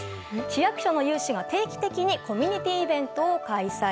市役所の有志が、定期的にコミュニティーイベントを開催。